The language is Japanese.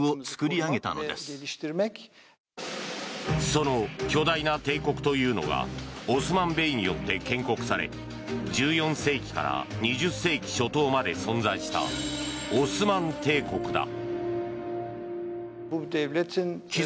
その巨大な帝国というのがオスマン・ベイによって建国され１４世紀から２０世紀初頭まで存在したオスマン帝国だ。